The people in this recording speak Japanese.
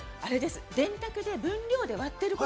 電卓で分量で割ってる。